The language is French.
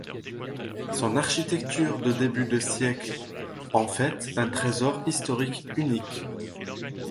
Son architecture de début de siècle en fait un trésor historique unique.